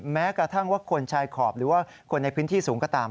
แม้กระทั่งว่าคนชายขอบหรือว่าคนในพื้นที่สูงก็ตาม